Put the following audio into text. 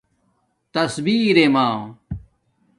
تصبیررمہ